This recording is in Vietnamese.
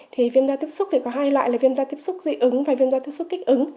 thì viêm da tiếp xúc thì có hai loại là viêm da tiếp xúc dị ứng và viêm da tiếp xúc kích ứng